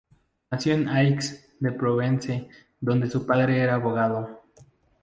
Nació en Aix en Provence donde su padre era abogado.